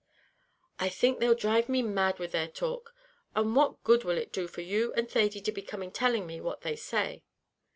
"I think they'll dhrive me mad with their talk! And what good will it do for you and Thady to be coming telling me what they say?"